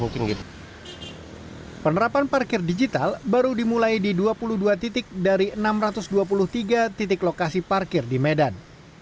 penerapan parkir digital baru dimulai di dua puluh dua titik dari enam ratus dua puluh tiga titik lokasi parkir di medan